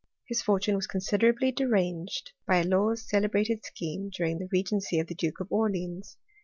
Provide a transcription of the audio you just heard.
His fortune was considerably denCJI • by Law's celebrated scheme during the regency iS Duke of Orleans.